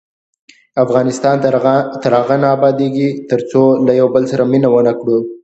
افغانستان تر هغو نه ابادیږي، ترڅو له یو بل سره مینه ونه کړو.